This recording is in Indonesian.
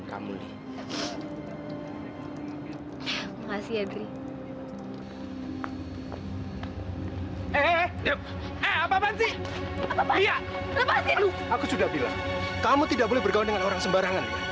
kamu tidak boleh bergaul dengan orang sembarangan